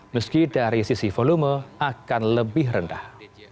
meski dari sisi volume akan lebih rendah